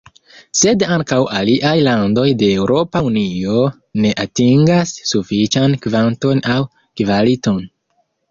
Sed ankaŭ aliaj landoj de Eŭropa Unio ne atingas sufiĉan kvanton aŭ kvaliton.